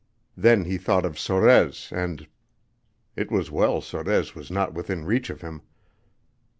Then he thought of Sorez and it was well Sorez was not within reach of him.